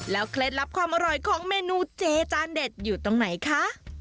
เคล็ดลับความอร่อยของเมนูเจจานเด็ดอยู่ตรงไหนคะ